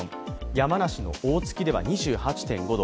山梨の大月では２８．５度。